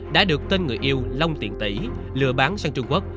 đã được tên người yêu long tiện tỷ lừa bán sang trung quốc